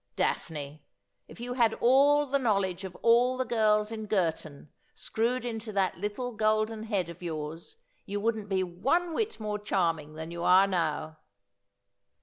•' Daphne, if you had all the knowledge of all the girls in Girton screwed into that little golden head of yours, you wouldn't be one whit more charming than you are now.'